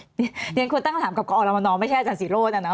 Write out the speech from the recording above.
นี่คือควรตั้งคำถามกับกลาวนมันท์ไม่ใช่อาจารย์ศรีรถแล้วนะ